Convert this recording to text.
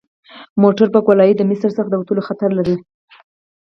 موټر په ګولایي کې د مسیر څخه د وتلو خطر لري